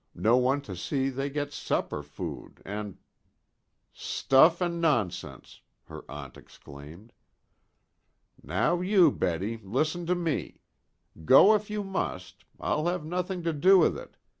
No one to see they get proper food, and " "Stuff and nonsense!" her aunt exclaimed. "Now you, Betty, listen to me. Go, if go you must. I'll have nothing to do with it.